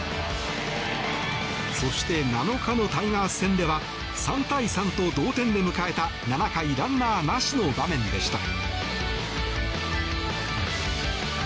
そして、７日のタイガース戦では３対３と同点で迎えた７回ランナーなしの場面でした。